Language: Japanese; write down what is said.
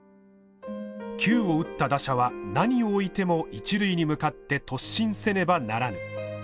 「球を打った打者は何をおいても一塁に向かって突進せねばならぬ」。